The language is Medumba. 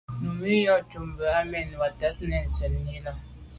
Numi nɔ́’ cup mbʉ̀ a mɛ́n Watɛ̀ɛ́t nɔ́ɔ̀’ nswɛ́ɛ̀n í lá.